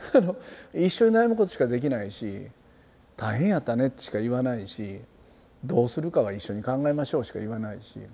一緒に悩むことしかできないし「大変やったね」しか言わないし「どうするかは一緒に考えましょう」しか言わないし。